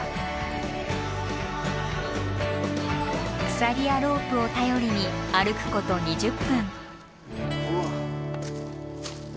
鎖やロープを頼りに歩くこと２０分。